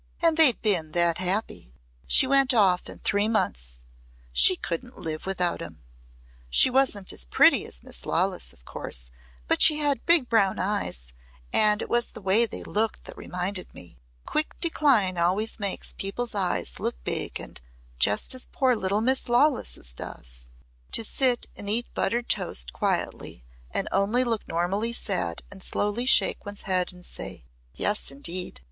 And they'd been that happy. She went off in three months. She couldn't live without him. She wasn't as pretty as Miss Lawless, of course, but she had big brown eyes and it was the way they looked that reminded me. Quick decline always makes people's eyes look big and just as poor little Miss Lawless does." To sit and eat buttered toast quietly and only look normally sad and slowly shake one's head and say, "Yes indeed.